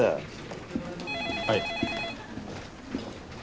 はい。